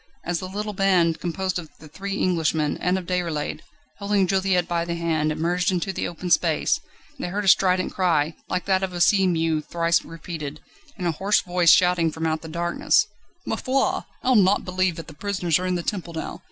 As the little band, composed of the three Englishmen, and of Déroulède, holding Juliette by the hand, emerged into the open space, they heard a strident cry, like that of a sea mew thrice repeated, and a hoarse voice shouting from out the darkness: "Ma foi! I'll not believe that the prisoners are in the Temple now!